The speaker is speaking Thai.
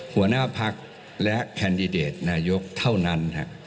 หัวหน้าพักและแคนดิเดตนายกเท่านั้น